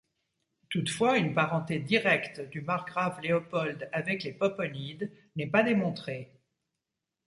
Toutefois, une parenté directe du margrave Léopold avec les Popponides n'est pas démontrée.